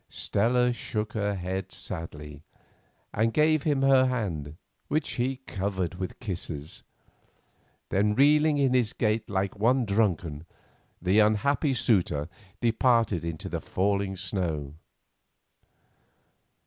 Stella shook her head sadly, and gave him her hand, which he covered with kisses. Then, reeling in his gait like one drunken, the unhappy suitor departed into the falling snow.